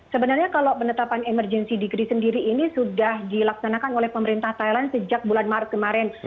sebenarnya kalau penetapan emergency degree sendiri ini sudah dilaksanakan oleh pemerintah thailand sejak bulan maret kemarin